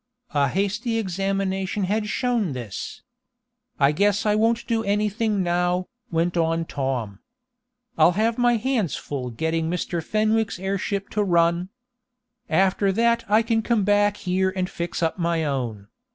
A hasty examination had shown this. "I guess I won't do anything now," went on Tom. "I'll have my hands full getting Mr. Fenwick's airship to run. After that I can come back here and fix up my own.